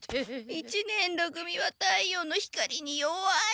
一年ろ組は太陽の光に弱い。